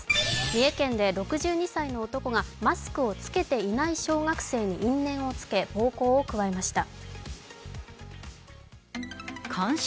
三重県で６２歳の男がマスクを着けていない小学生に因縁をつけ暴行を加えました。